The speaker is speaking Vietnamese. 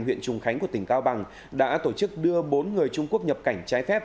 huyện trùng khánh của tỉnh cao bằng đã tổ chức đưa bốn người trung quốc nhập cảnh trái phép